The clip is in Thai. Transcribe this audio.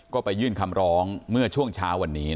ก็ไปยื่นคำร้องเมื่อช่วงเช้าวันนี้